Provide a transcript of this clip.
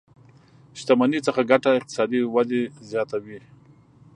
شتمنۍ څخه ګټه اقتصادي ودې زياته وي.